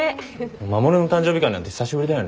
守の誕生日会なんて久しぶりだよね。